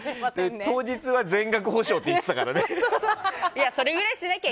当日は全額補償って言ってたからね。